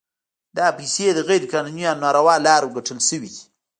دا پیسې د غیر قانوني او ناروا لارو ګټل شوي وي.